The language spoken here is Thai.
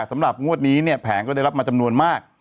งวดนี้เนี่ยแผงก็ได้รับมาจำนวนมาก